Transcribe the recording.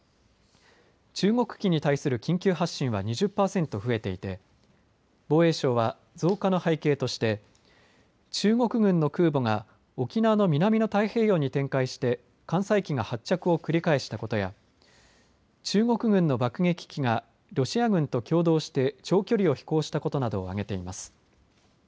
中国機に対する緊急発進は２０％増えていて防衛省は増加の背景として中国軍の空母が沖縄の南の太平洋に展開して艦載機が発着を繰り返したことや中国軍の爆撃機がロシア軍と共同して長距離を飛行したことなどを挙げています。